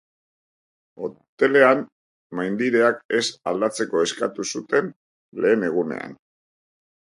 Hotelean maindireak ez aldatzeko eskatu zuten lehen egunean.